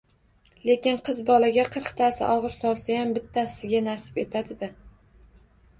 Lekin qiz bolaga qirqtasi og`iz solsayam, bittasiga nasib etadi-da